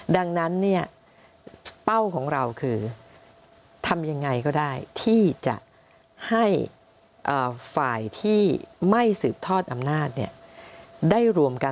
ดังนั้นเป้าของเราคือทำยังไงก็ได้ที่จะให้ฝ่ายที่ไม่สืบทอดอำนาจได้รวมกัน